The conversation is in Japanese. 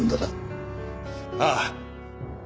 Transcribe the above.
ああ。